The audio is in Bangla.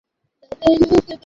তাহার পর কী হইল তিনি জানেন না।